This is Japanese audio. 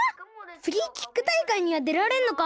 フリーキック大会には出られんのか？